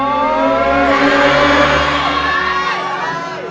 สวัสดีครับ